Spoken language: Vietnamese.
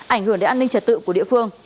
ảnh hưởng đến an ninh trật tự của địa phương